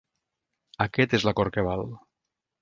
Aquest és l’acord que val.